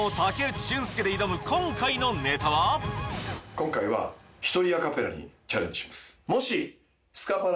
今回は１人アカペラにチャレンジします。